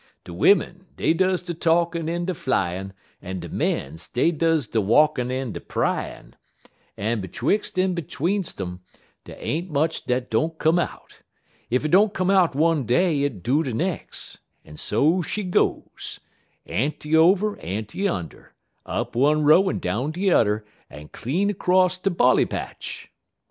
De wimmen, dey does de talkin' en de flyin', en de mens, dey does de walkin' en de pryin', en betwixt en betweenst um, dey ain't much dat don't come out. Ef it don't come out one day it do de nex', en so she goes Ant'ny over, Ant'ny under up one row en down de udder, en clean acrosst de bolly patch!"